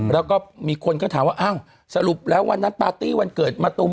แล้วก็มีคนก็ถามว่าอ้าวสรุปแล้ววันนั้นปาร์ตี้วันเกิดมะตูม